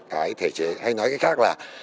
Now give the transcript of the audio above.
cái thể chế hay nói cái khác là